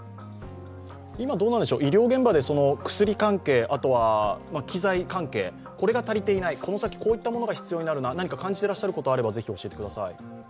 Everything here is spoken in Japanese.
今、医療現場で薬関係、機材関係、これが足りていない、この先こういったものが必要になるな、何か感じてらっしゃることがあれば是非教えてください。